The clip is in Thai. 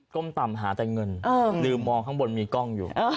้มต่ำหาแต่เงินลืมมองข้างบนมีกล้องอยู่